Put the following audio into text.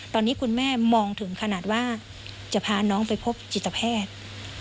ตอนนี้คุณแม่มองถึงขนาดว่าจะพาน้องไปพบจิตแพทย์